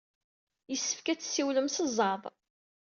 Yessefk ad tessiwlem s zzeɛḍ.